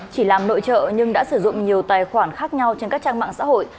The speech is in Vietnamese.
chỉ làm nội trợ nhưng đã sử dụng nhiều tài khoản khác nhau trên các trang mạng xã hội